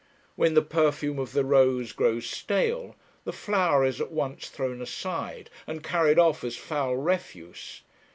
When the perfume of the rose grows stale, the flower is at once thrown aside, and carried off as foul refuse.